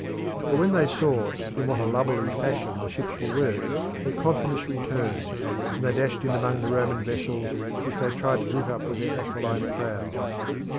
But when they saw in what a lubberly fashion the ships were worked their confidence returned; they dashed in among the Roman vessels, which they tried to rip up with their aquiline prows.